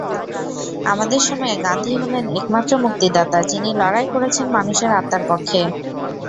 আমাদের সময়ে গান্ধী হলেন একমাত্র মুক্তিদাতা, যিনি লড়াই করেছেন মানুষের আত্মার পক্ষে।